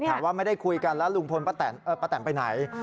ถามว่าไม่ได้คุยกันแล้วลุงพลป้าแตนไปไหน